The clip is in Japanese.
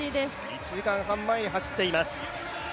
１時間半前に走っています。